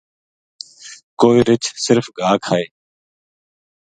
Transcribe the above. کوئی رچھ صرف گھا کھائے